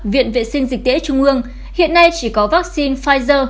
viện vệ sinh dịch tễ trung ương hiện nay chỉ có vaccine pfizer